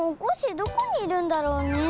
どこにいるんだろうね？